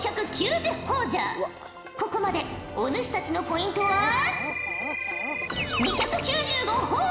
ここまでお主たちのポイントは２９５ほぉ。